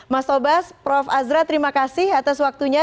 mas tobas prof azra terima kasih atas waktunya